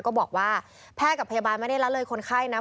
ก็บอกว่าแพทย์กับพยาบาลไม่ได้ละเลยคนไข้นะ